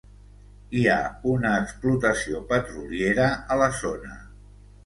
Hi ha una explotació petroliera a la zona.